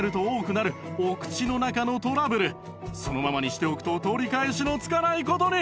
そのままにしておくと取り返しのつかない事に